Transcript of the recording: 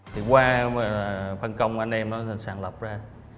thì qua phân công anh em nó sản lập ra